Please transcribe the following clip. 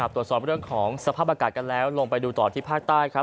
ตรวจสอบเรื่องของสภาพอากาศกันแล้วลงไปดูต่อที่ภาคใต้ครับ